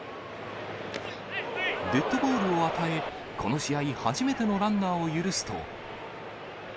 デッドボールを与え、この試合初めてのランナーを許すと。